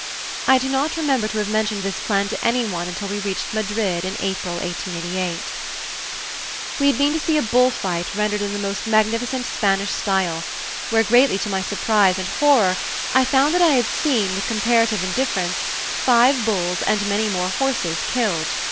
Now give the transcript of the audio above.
I do not remember to have mentioned this plan to anyone until we reached Madrid in April, 1888. We had been to see a bull fight rendered in the most magnificent Spanish style, where greatly to my surprise and horror, I found that I had seen, with comparative indifference, five bulls and many more horses killed.